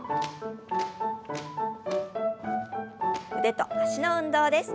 腕と脚の運動です。